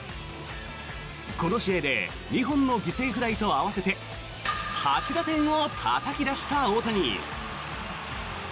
この試合で２本の犠牲フライと合わせて８打点をたたき出した大谷。